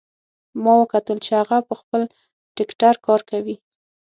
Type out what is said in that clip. ما وکتل چې هغه په خپل ټکټر کار کوي